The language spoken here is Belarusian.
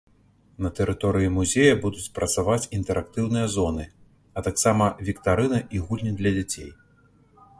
На тэрыторыі музея будуць працаваць інтэрактыўныя зоны, а таксама віктарыны і гульні для дзяцей.